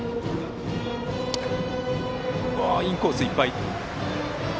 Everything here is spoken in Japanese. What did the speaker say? インコースいっぱい。